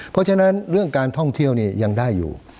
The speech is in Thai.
เพราะฉะนั้นเรื่องการท่องเที่ยวนี่ยังได้อยู่